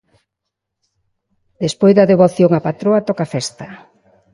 Despois da devoción á patroa, toca festa.